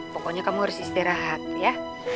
pokoknya kamu harus istirahat ya